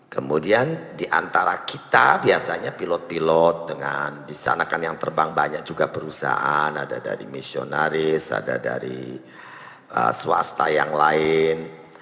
kemudian diantara kita biasanya pilot pilot dengan di sana kan yang terbang banyak juga perusahaan ada dari misionaris ada dari swasta yang lain